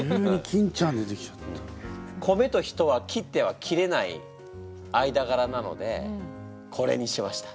米と人は切っては切れないあいだがらなのでこれにしました。